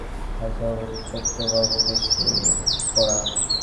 হাল সভাপতি চন্দ্রবাবু কিছু কড়া।